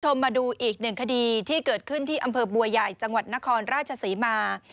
มาดูอีกหนึ่งคดีที่เกิดขึ้นที่อำเภอบัวใหญ่จังหวัดนครราชศรีมา